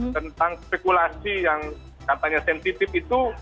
tentang spekulasi yang katanya sensitif itu